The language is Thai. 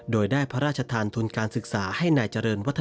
โดยได้พระราชทานทุนการศึกษาให้นายเจริญวัฒน